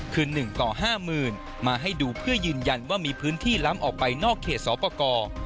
คือ๑ต่อ๕๐๐๐มาให้ดูเพื่อยืนยันว่ามีพื้นที่ล้ำออกไปนอกเขตสอบประกอบ